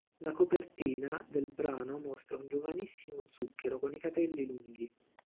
La copertina del brano mostra un giovanissimo Zucchero con i capelli lunghi.